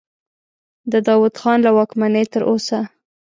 د داود خان له واکمنۍ تر اوسه.